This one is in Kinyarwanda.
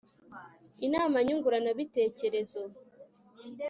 inama nyunguranabitekerezo